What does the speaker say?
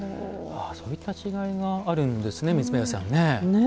そういった違いがあるんですね、三林さん。